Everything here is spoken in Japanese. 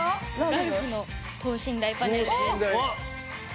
ラルフの等身大パネルです。